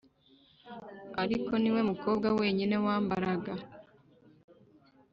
ariko niwe mukobwa wenyine wambaraga